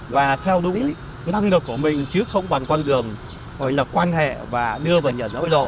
và theo đúng năng lực của mình chứ không bằng quan hệ và đưa vào nhận ối độ